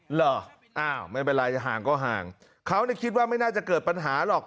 เหรออ้าวไม่เป็นไรห่างก็ห่างเขาคิดว่าไม่น่าจะเกิดปัญหาหรอก